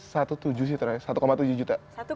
satu tujuh sih terakhir satu tujuh juta